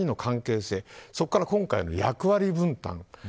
そこから、さらに役割分担。